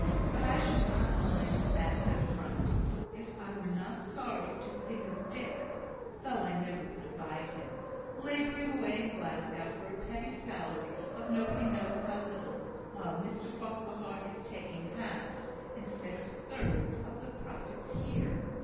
But I should not mind that affront, if I were not sorry to think of Dick (though I never could abide him) labouring away in Glasgow for a petty salary of nobody knows how little, while Mr Farquhar is taking halves, instead of thirds, of the profits here!"